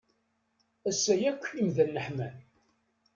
Ass-a yakk imdanen ḥman.